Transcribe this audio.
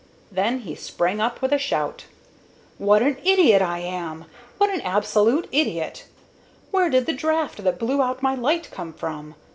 Then he sprang up with a shout. "What an idiot I am! What an absolute idiot! Where did the draught that blew out my light come from?